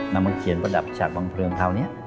มาเกียรติภาพดับจากวังเมืองเตานี้